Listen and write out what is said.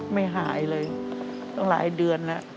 ไม่หายเลยตั้งหลายเดือนแล้ว